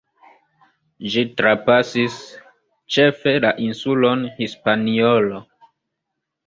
Ĝi trapasis ĉefe la insulon Hispaniolo.